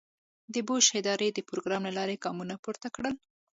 د بوش ادارې د پروګرام له لارې ګامونه پورته کړل.